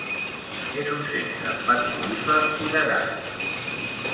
És un centre petrolífer i de gas.